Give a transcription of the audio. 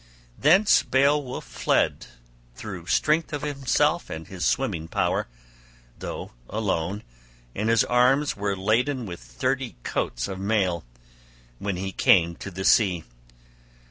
Thence Beowulf fled through strength of himself and his swimming power, though alone, and his arms were laden with thirty coats of mail, when he came to the sea!